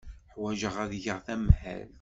Ḥwajeɣ ad geɣ tamhelt.